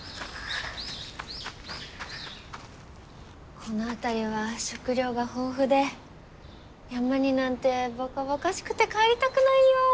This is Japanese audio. この辺りは食糧が豊富で山になんてばかばかしくて帰りたくないよ。